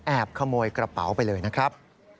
ขโมยกระเป๋าไปเลยนะครับ